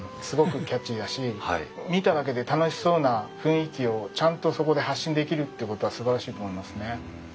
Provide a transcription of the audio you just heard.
すごくキャッチーだし見ただけで楽しそうな雰囲気をちゃんとそこで発信できるっていうことはすばらしいと思いますね。